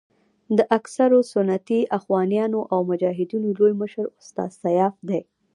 د اکثرو سنتي اخوانیانو او مجاهدینو لوی مشر استاد سیاف دی.